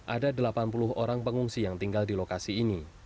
ada delapan puluh orang pengungsi yang tinggal di lokasi ini